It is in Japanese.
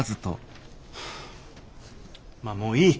まあもういい。